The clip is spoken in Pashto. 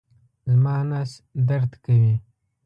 زما نس درد کوي